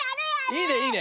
いいねいいね。